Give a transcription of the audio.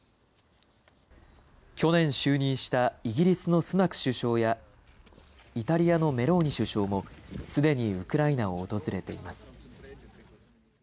去年就任したイギリスのスナク首相やイタリアのメローニ首相もすでにウクライナを訪れています。